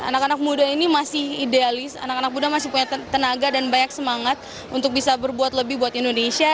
anak anak muda ini masih idealis anak anak muda masih punya tenaga dan banyak semangat untuk bisa berbuat lebih buat indonesia